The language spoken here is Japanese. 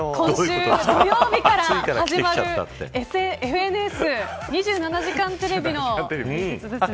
今週土曜日から始まるＦＮＳ２７時間テレビのＴシャツですね。